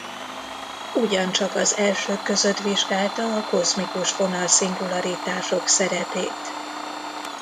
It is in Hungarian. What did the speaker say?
Ugyancsak az elsők között vizsgálta a kozmikus fonal-szingularitások szerepét.